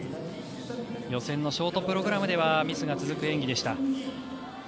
予選のショートプログラムではミスが続く演技でした。